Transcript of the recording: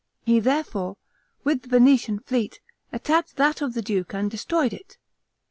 He therefore, with the Venetian fleet, attacked that of the duke, and destroyed it.